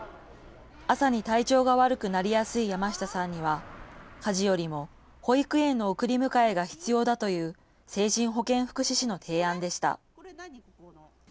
朝に体調が悪くなりやすい山下さんには家事よりも保育園の送り迎えが必要だという精神保健福祉士の提案でした。